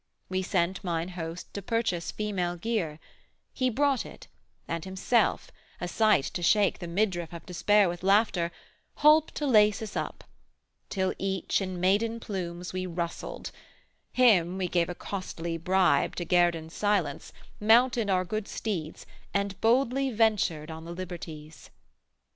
We sent mine host to purchase female gear; He brought it, and himself, a sight to shake The midriff of despair with laughter, holp To lace us up, till, each, in maiden plumes We rustled: him we gave a costly bribe To guerdon silence, mounted our good steeds, And boldly ventured on the liberties.